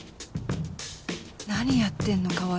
何やってんの川合